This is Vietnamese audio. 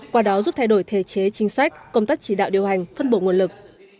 qua đó giúp thay đổi thể chế chính sách công tác chỉ đạo điều hành phân bổ nguồn lực